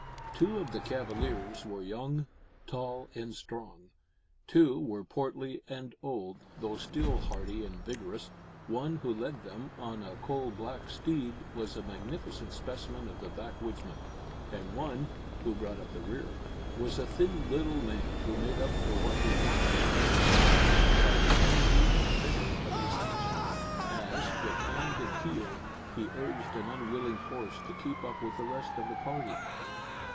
Two of the cavaliers were young, tall, and strong; two were portly and old, though still hearty and vigorous; one, who led them, on a coal black steed, was a magnificent specimen of the backwoodsman, and one, who brought up the rear, was a thin little man, who made up for what he wanted in size by the energy and vigour of his action, as, with hand and heel, he urged an unwilling horse to keep up with the rest of the party.